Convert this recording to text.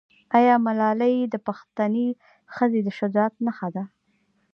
آیا ملالۍ د پښتنې ښځې د شجاعت نښه نه ده؟